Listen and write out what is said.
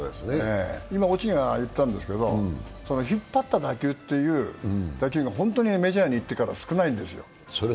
今、落が言ったんですけど、引っ張った打球というのが本当にメジャーに行ってから少ないんですよ。